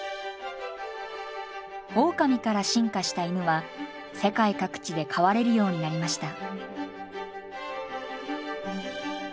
オオカミから進化した犬は世界各地で飼われるようになりました。